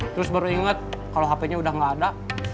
terus baru inget kalau hpnya udah gak ada